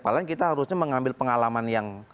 paling kita harusnya mengambil pengalaman yang